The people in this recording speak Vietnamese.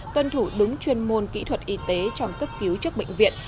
tuân thủ đúng chuyên môn kỹ thuật y tế trong cấp cứu chức bệnh viện